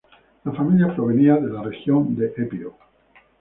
La familia provenía de la región de Epiro.